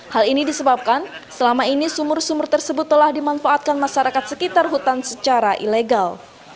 hal ini disebabkan selama ini sumur sumur tersebut telah dimanfaatkan masyarakat sekitar hutan secara ilegal